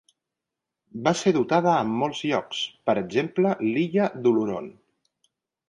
Va ser dotada amb molts llocs, per exemple l'illa d'Oloron.